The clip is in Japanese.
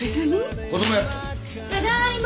ただいま！